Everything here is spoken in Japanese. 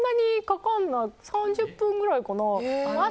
３０分くらいかな。